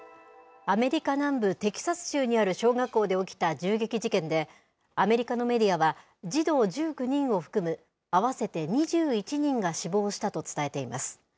アメリカ南部テキサス州にある小学校で起きた銃撃事件で、アメリカのメディアは、児童１９人を含む、合わせて２１人が死亡したと伝えています。